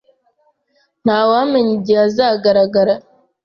Ntawamenya igihe azagaragara